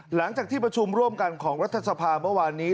หลังจากที่ประชุมร่วมกันของรัฐสภาเมื่อวานนี้